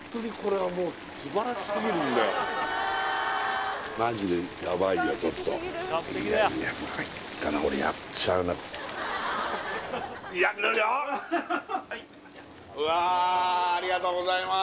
はいうわーありがとうございます